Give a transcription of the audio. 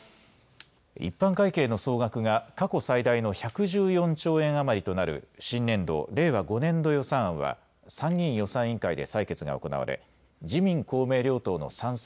一般会計の総額が過去最大の１１４兆円余りとなる新年度令和５年度予算案は参議院予算委員会で採決が行われ自民公明両党の賛成